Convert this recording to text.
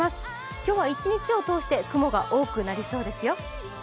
今日は一日を通して雲が多くなりそうですよ。